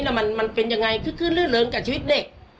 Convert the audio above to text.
แล้วมันมันเป็นยังไงขึ้นเรื่อยเริงกับชีวิตเด็ก